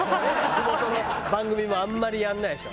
地元の番組もあんまりやんないでしょ。